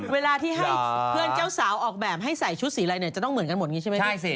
เวลาที่ให้เจ้าสาวออกแบบให้ใส่ชุดสีอะไรเนี่ยจะต้องเหมือนกันหมดใช่ไหมที่นี่๖๑๐๐๕๐๐๖